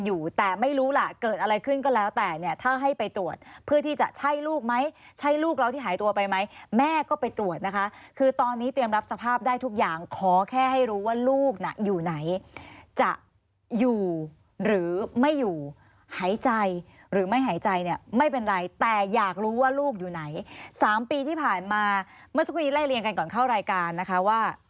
อยู่แต่ไม่รู้ล่ะเกิดอะไรขึ้นก็แล้วแต่เนี่ยถ้าให้ไปตรวจเพื่อที่จะใช่ลูกไหมใช่ลูกเราที่หายตัวไปไหมแม่ก็ไปตรวจนะคะคือตอนนี้เตรียมรับสภาพได้ทุกอย่างขอแค่ให้รู้ว่าลูกน่ะอยู่ไหนจะอยู่หรือไม่อยู่หายใจหรือไม่หายใจเนี่ยไม่เป็นไรแต่อยากรู้ว่าลูกอยู่ไหน๓ปีที่ผ่านมาเมื่อสักครู่นี้ไล่เรียงกันก่อนเข้ารายการนะคะว่า